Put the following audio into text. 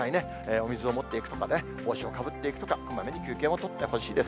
お水を持っていくとかね、帽子をかぶっていくとか、こまめに休憩も取ってほしいです。